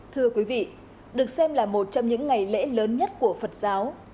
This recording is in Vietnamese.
thưa quý vị được xem là một trong những ngày lễ lớn nhất của phật giáo